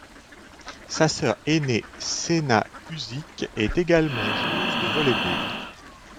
Sa sœur ainée Senna Usić est également joueuse de volley-ball.